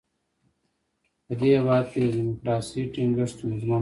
په دې هېواد کې د ډیموکراسۍ ټینګښت ستونزمن دی.